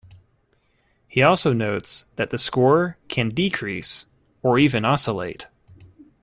He also notes that the score can decrease, or even oscillate.